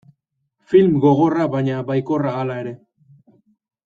Film gogorra baina baikorra hala ere.